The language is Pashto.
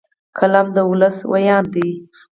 قلم د ولس ویاند دی